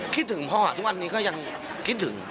ถึงพ่อทุกวันนี้ก็ยังคิดถึง